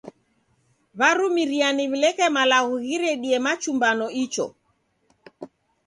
W'arumiriane w'ileke malagho ghiredie machumbano icho.